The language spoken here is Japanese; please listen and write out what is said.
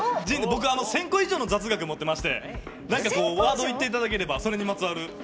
僕１０００個以上の雑学持っていまして、何かワードを言っていただければそれにまつわる。